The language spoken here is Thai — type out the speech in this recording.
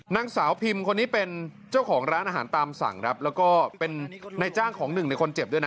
นางสาวพิมพ์คนนี้เป็นเจ้าของร้านอาหารตามสั่งครับแล้วก็เป็นนายจ้างของหนึ่งในคนเจ็บด้วยนะ